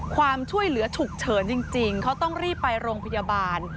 ความช่วยเหลือฉุกเฉินจริงเขาต้องรีบไปโรงพยาบาล